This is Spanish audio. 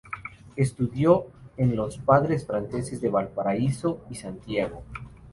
Estudió en los Padres Franceses de Valparaíso y Santiago.